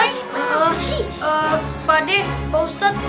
eh pak d pak ustadz